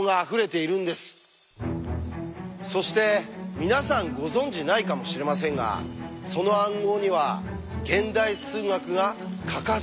そして皆さんご存じないかもしれませんがその暗号には現代数学が欠かせないんです！